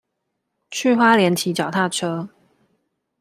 去花蓮騎腳踏車